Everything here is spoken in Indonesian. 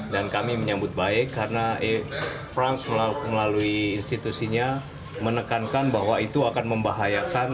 dan kami menyambut baik karena france melalui institusinya menekankan bahwa itu akan membahayakan